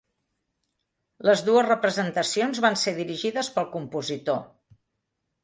Les dues representacions van ser dirigides pel compositor.